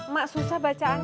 mak susah bacaannya